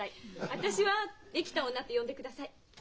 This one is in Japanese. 私はデキた女と呼んでください。